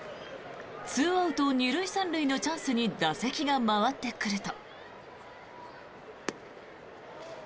２アウト２塁３塁のチャンスに打席が回ってくると。